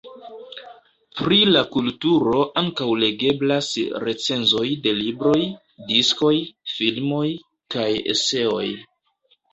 Pri la kulturo ankaŭ legeblas recenzoj de libroj, diskoj, filmoj, kaj eseoj.